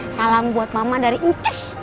salam buat mama dari ikes